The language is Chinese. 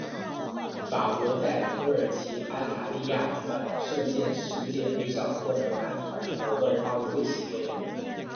法国在土耳其安塔利亚举办的射箭世界杯上获得男子团体和个人的奥运席位。